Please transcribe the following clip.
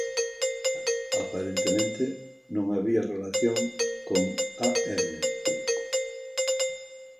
Aparentemente non había relación con A M.